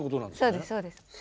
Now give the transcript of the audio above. そうですそうです。